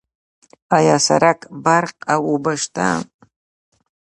آیا سرک، برق او اوبه شته؟